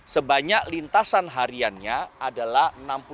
sebanyak lintasan hariannya adalah enam puluh sembilan satu ratus dua puluh tiga